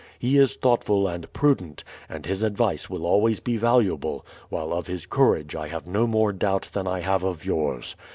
He is thoughtful and prudent, and his advice will always be valuable, while of his courage I have no more doubt than I have of yours.